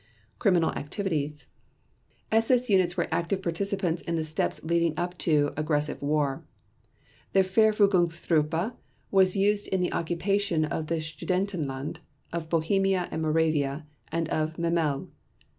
Criminal Activities: SS units were active participants in the steps leading up to aggressive war. The Verfügungstruppe was used in the occupation of the Sudetenland, of Bohemia and Moravia, and of Memel.